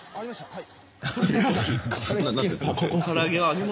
はい。